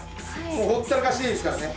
もうほったらかしでいいですからね。